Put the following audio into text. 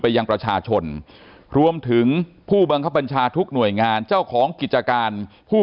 ยังประชาชนรวมถึงผู้บังคับบัญชาทุกหน่วยงานเจ้าของกิจการผู้